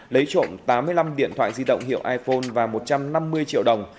lấy trộm tám mươi năm điện thoại di động hiệu iphone và một trăm năm mươi triệu đồng